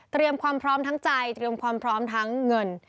ความพร้อมทั้งใจเตรียมความพร้อมทั้งเงิน